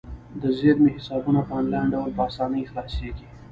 د زیرمې حسابونه په انلاین ډول په اسانۍ خلاصیږي.